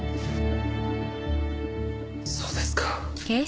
そうですか。